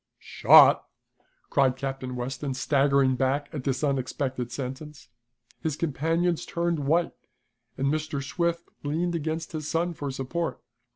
"Shot!" cried Captain Weston, staggering back at this unexpected sentence. His companions turned white, and Mr. Swift leaned against his son for support.